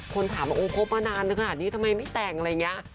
คนถามว่าโอ้คบมานานขนาดนี้ทำไมไม่แต่งอะไรอย่างนี้